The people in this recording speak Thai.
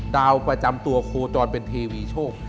ดาวประจำตัวโคจรเป็นเทวีโชค